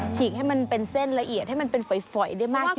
ฉีกให้มันเป็นเส้นละเอียดให้มันเป็นฝอยได้มากขึ้น